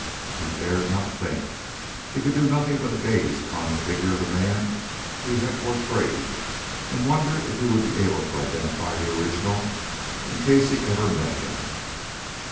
He dared not think; he could do nothing but gaze upon the figure of the man he had portrayed, and wonder if he would be able to identify the original in case he ever met him.